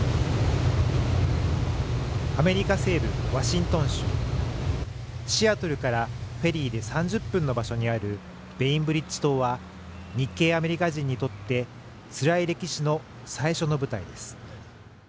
アメリカ西部ワシントン州シアトルからフェリーで３０分の場所にあるベインブリッジ島は日系アメリカ人にとってつらい歴史の最初の舞台です